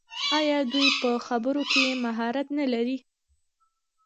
آیا دوی په خبرو کې مهارت نلري؟